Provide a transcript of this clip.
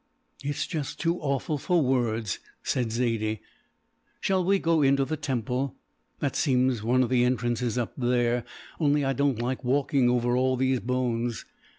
"It's just too awful for words," said Zaidie. "Shall we go into the temple? That seems one of the entrances up there, only I don't like walking over all those bones."